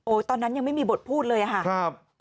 ตอนนั้นยังไม่มีบทพูดเลยค่ะ